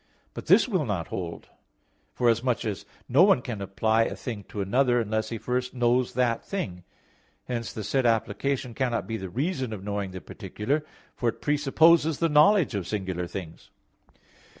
But this will not hold; forasmuch as no one can apply a thing to another unless he first knows that thing; hence the said application cannot be the reason of knowing the particular, for it presupposes the knowledge of singular things.